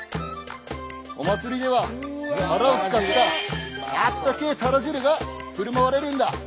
お祭りではタラを使ったあったけえタラ汁がふるまわれるんだ。